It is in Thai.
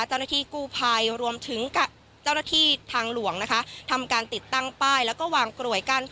เจ้าหน้าที่กู้ภัยรวมถึงเจ้าหน้าที่ทางหลวงนะคะทำการติดตั้งป้ายแล้วก็วางกลวยกั้น